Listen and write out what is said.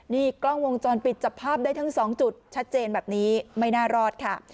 นี่กล้องวงจรปิดจับภาพได้ทั้งสองจุดชัดเจนแบบนี้ไม่น่ารอดค่ะ